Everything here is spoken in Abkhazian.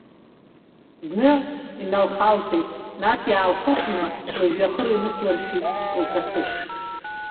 Зны иналхалҵеит, нас иаалхыхны лыжәҩахыр инықәлыршәит лкасыш.